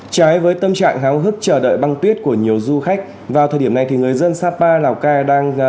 trái với tâm trạng háo hức chờ đợi băng tuyết của nhiều du khách vào thời điểm này thì người dân sapa lào cai đang